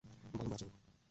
Mobile number আছে ওর?